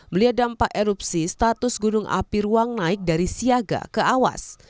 melihat dampak erupsi status gunung api ruang naik dari siaga ke awas